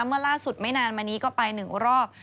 เมื่อล่าสุดไม่นานมานี้ก็ไป๑รอบ